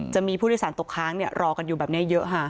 จะมีผู้โดยสารตกค้างรอกันอยู่แบบนี้เยอะค่ะ